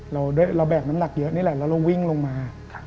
เราแบกน้ำหนักเยอะนี่แหละแล้วเราวิ่งลงมา